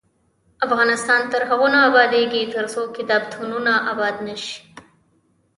افغانستان تر هغو نه ابادیږي، ترڅو کتابتونونه اباد نشي.